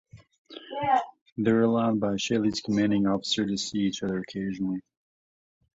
They were allowed by Schiele's commanding officer to see each other occasionally.